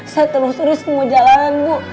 saya telusuri semua jalanan bu